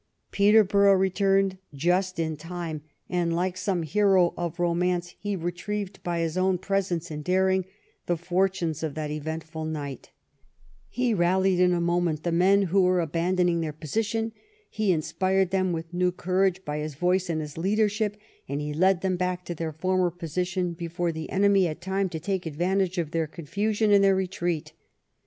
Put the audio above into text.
Peterborough returned just in time, and, like some 135 THE REIGN OF QUEEN ANNE hero of romance, he retrieved by his own presence and daring the fortunes of that eventful night He rallied in a moment the men who were abandoning their position, he inspired them with new courage by his voice and his leadership, and he led them back to their former position before the enemy had time to take advantage of their confusion and their retreat.